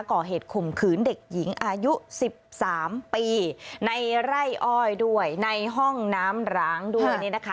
ก่อเหตุขุมขืนเด็กหญิงอายุสิบสามปีในไร่อ้อยด้วยในห้องน้ำร้างด้วยเนี่ยนะคะ